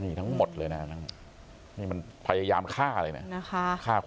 นี่ทั้งหมดเลยนะนี่มันพยายามฆ่าเลยนะ